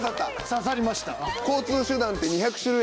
刺さりました。